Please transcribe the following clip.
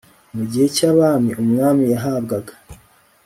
mu gihe cy'abami, umwami yahabwaga